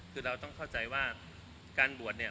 คือเราต้องเข้าใจว่าการบวชเนี่ย